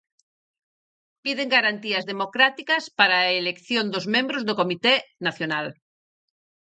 Piden garantías democráticas para a elección dos membros do comité nacional.